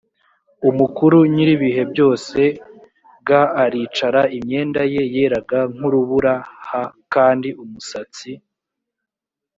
umukuru nyir ibihe byose g aricara imyenda ye yeraga nk urubura h kandi umusatsi